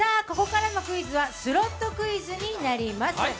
ここからのクイズは「スロットクイズ」になります。